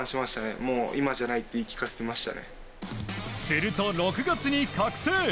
すると６月に覚醒！